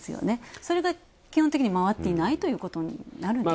それが基本的に回っていないということになるんですか？